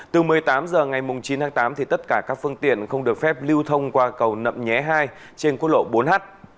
từ một mươi tám h ngày chín tháng tám tất cả các phương tiện không được phép lưu thông qua cầu nậm nhé hai trên quốc lộ bốn h